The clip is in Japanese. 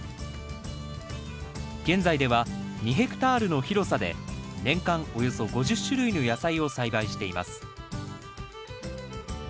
現在では２ヘクタールの広さで年間およそ５０種類の野菜を栽培しています